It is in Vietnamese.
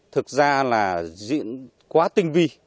thực ra là diễn quá tinh vi